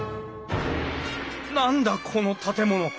何だこの建物。